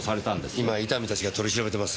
今伊丹たちが取り調べてます。